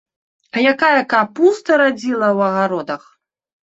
А якая капуста радзіла ў агародах!